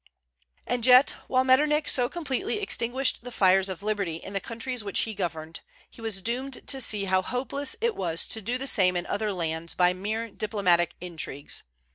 And yet while Metternich so completely extinguished the fires of liberty in the countries which he governed, he was doomed to see how hopeless it was to do the same in other lands by mere diplomatic intrigues.